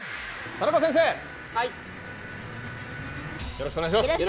よろしくお願いします。